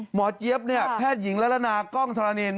หมอเจี๊ยบแพทย์หญิงละละนากล้องทรานิน